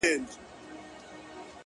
• او د دنيا له لاسه،